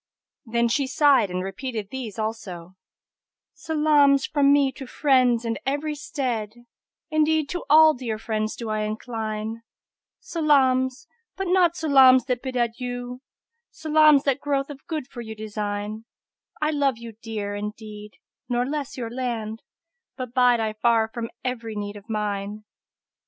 Then she sighed and repeated these also, "Salams fro' me to friends in every stead; * Indeed to all dear friends do I incline: Salams, but not salams that bid adieu; * Salams that growth of good for you design: I love you dear, indeed, nor less your land, * But bide I far from every need of mine!"